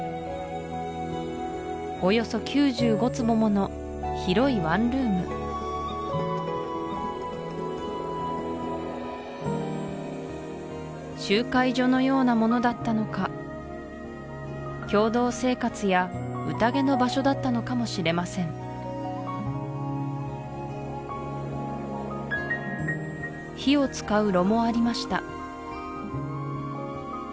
およそ９５坪もの広いワンルーム集会所のようなものだったのか共同生活やうたげの場所だったのかもしれません火を使う炉もありました